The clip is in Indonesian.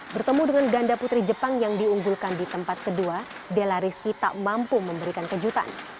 bertemu dengan ganda putri jepang yang diunggulkan di tempat kedua della rizky tak mampu memberikan kejutan